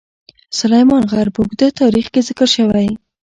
سلیمان غر په اوږده تاریخ کې ذکر شوی.